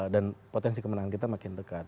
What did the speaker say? dan potensi kemenangan kita makin dekat